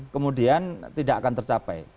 kemudian tidak akan tercapai